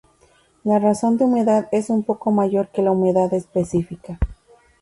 La razón de humedad es un poco mayor que la humedad específica.